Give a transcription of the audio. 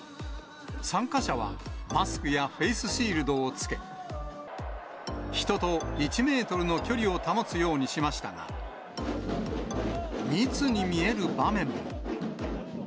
参加者はマスクやフェースシールドを着け、人と１メートルの距離を保つようにしましたが、密に見える場面も。